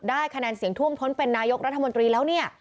ได้คะแนนเสี่ยงทั่วมถนเป็นนายกรัฐมนตรีแล้ว